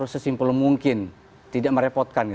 simpul mungkin tidak merepotkan